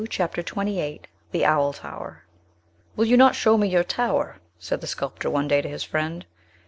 CHAPTER XXVIII THE OWL TOWER "Will you not show me your tower?" said the sculptor one day to his friend.